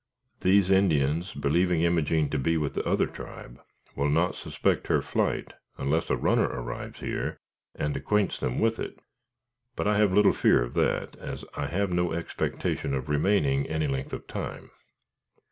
These Indians, believing Imogene to be with the other tribe, will not suspect her flight unless a runner arrives here and acquaints them with it; but I have little fear of that, as I have no expectation of remaining any length of time."